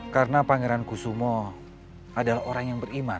karena pangeran kusumo adalah orang yang beriman